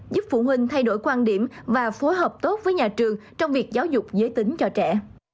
giúp phụ huynh thay đổi quan điểm và phối hợp tốt với nhà trường trong việc giáo dục giới tính cho trẻ